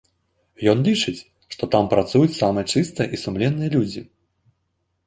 Ён лічыць, што там працуюць самыя чыстыя і сумленныя людзі.